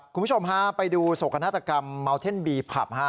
คุณผู้ชมฮะไปดูโศกนาฏกรรมเมาเท่นบีผับฮะ